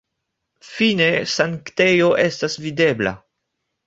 Fine sanktejo estas videbla.